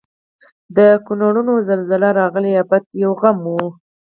د کونړونو زلزله راغلي افت یو ستم و.